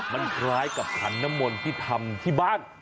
มันคล้ายกับขันน้ำมนต์ที่ทำที่บ้าน